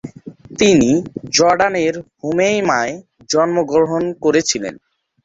তিনি জর্ডানের হুমেইমায় জন্মগ্রহণ করেছিলেন।